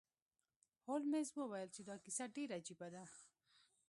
هولمز وویل چې دا کیسه ډیره عجیبه ده.